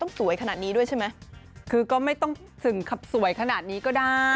สวยขนาดนี้ด้วยใช่ไหมคือก็ไม่ต้องถึงขับสวยขนาดนี้ก็ได้